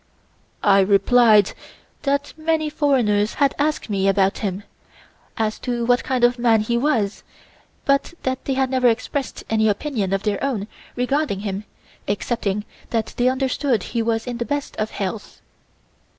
I replied that many foreigners had asked me about him as to what kind of man he was, but that they had never expressed any opinion of their own regarding him excepting that they understood he was in the best of health.